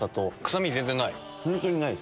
臭み全然ない？